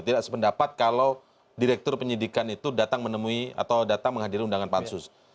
tidak sependapat kalau direktur penyidikan itu datang menemui atau datang menghadiri undangan pansus